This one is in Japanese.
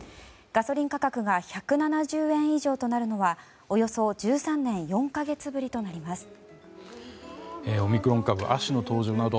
ガソリン価格が１７０円以上となるのはおよそ１３年４か月ぶりとなります。